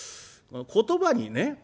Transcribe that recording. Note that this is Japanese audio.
言葉にね